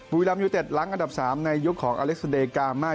บุรีรัมยูเต็ดหลังอันดับ๓ในยุคของอเล็กซาเดยกามา